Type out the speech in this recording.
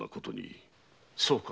そうか。